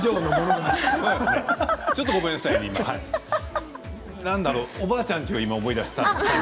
なんだろうおばあちゃんちを今、思い出した。